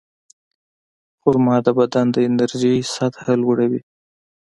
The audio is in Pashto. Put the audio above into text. خرما د بدن د انرژۍ سطحه لوړوي.